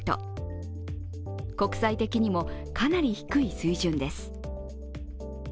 国際的にもかなり低い水準です。